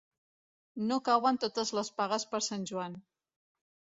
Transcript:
No cauen totes les pagues per Sant Joan.